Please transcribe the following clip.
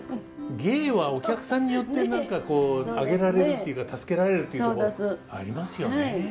芸はお客さんによって何かこう上げられるっていうか助けられるっていうとこありますよね。